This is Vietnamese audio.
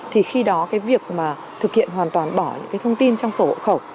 thì khi đó việc thực hiện hoàn toàn bỏ những thông tin trong sổ hộ khẩu